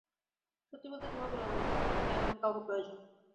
সত্যি বলতে, তোমার গোলাগুলি সামলাতে পারে এমন কাউকে প্রয়োজন।